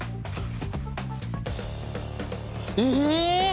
え⁉